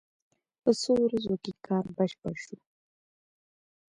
په څو ورځو کې کار بشپړ شو.